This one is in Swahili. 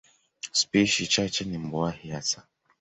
Spishi chache ni mbuai hasa.